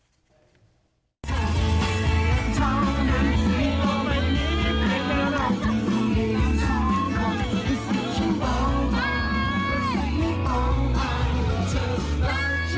มันถึงรักฉันแค่ในหลังตัว